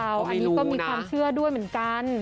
อันนี้ก็มีความเชื่อด้วยเหมือนกัน